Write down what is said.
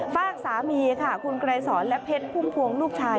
ฝากสามีค่ะคุณไกรสอนและเพชรพุ่มพวงลูกชาย